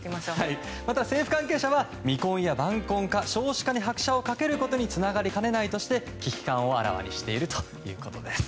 また、政府関係者は未婚や晩婚化少子化に拍車をかけることにつながりかねないとして危機感をあらわにしているということです。